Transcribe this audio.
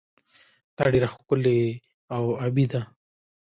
دا ډیره ښکلې او ابي ده.